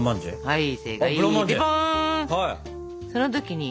はい。